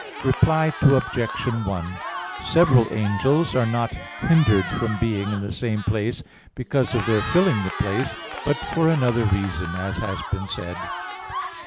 Reply Obj. 1: Several angels are not hindered from being in the same place because of their filling the place; but for another reason, as has been said.